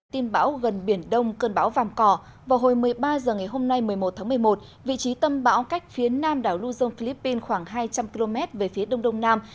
tin bão gần biển đông cơn bão vàm cỏ vào hồi một mươi ba h ngày hôm nay một mươi một tháng một mươi một vị trí tâm bão cách phía nam đảo luzon philippines khoảng hai trăm linh km về phía đông đông nam